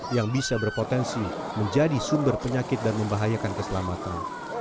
yang bisa berpotensi menjadi sumber penyakit dan membahayakan keselamatan